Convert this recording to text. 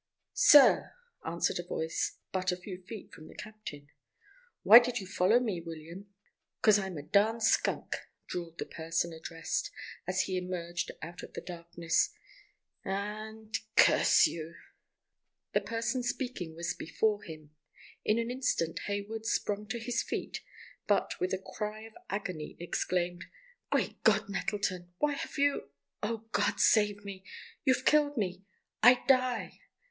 "Sir!" answered a voice but a few feet from the captain. "Why did you follow me, William?" "Cos I'm a darn skunk," drawled the person addressed, as he emerged out of the darkness. "And——Curse you!" The person speaking was before him. In an instant Hayward sprung to his feet, but, with a cry of agony exclaimed: "Great God, Nettleton—why have you—oh God, save me—you've killed me—I die!"